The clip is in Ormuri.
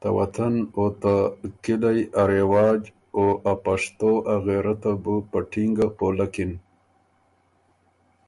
ته وطن او ته کِلئ ا رېواج او ا پشتو ا غېرته بو په ټینګه پولکِن۔